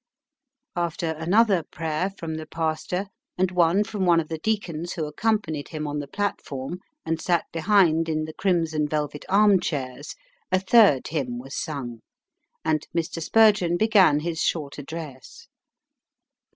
After another prayer from the pastor, and one from one of the deacons who accompanied him on the platform and sat behind in the crimson velvet arm chairs, a third hymn was sung, and Mr. Spurgeon began his short address.